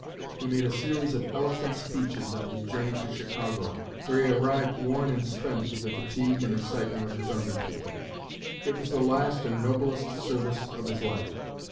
He made a series of eloquent speeches on his journey to Chicago, where he arrived worn and spent with the fatigue and excitement of his undertaking. It was the last and noblest service of his life.